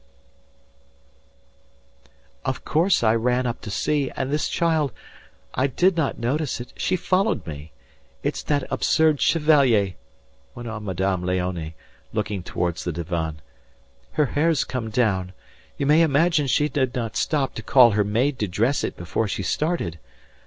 "Of course I ran up to see and this child... I did not notice it she followed me. It's that absurd Chevalier," went on Madame Léonie, looking towards the divan.... "Her hair's come down. You may imagine she did not stop to call her maid to dress it before she started....